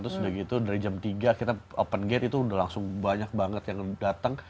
terus udah gitu dari jam tiga kita open gate itu udah langsung banyak banget yang datang